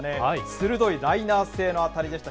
鋭いライナー性の当たりでした。